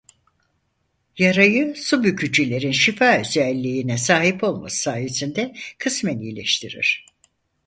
Yarayı su bükücülerin şifa özelliğine sahip olması sayesinde kısmen iyileştirir.